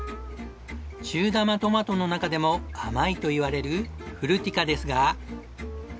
中玉トマトの中でも甘いといわれるフルティカですが。